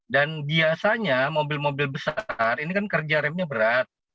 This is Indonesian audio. dan biasanya mobil mobil besar ini kan kerja remnya berat